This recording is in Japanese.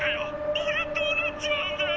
俺どうなっちまうんだよ！